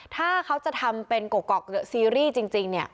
ถ้าเขาจะทำเป็นกรกซีรีส์จริง